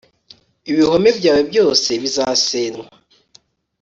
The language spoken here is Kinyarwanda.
ibihome byawe byose bizasenywa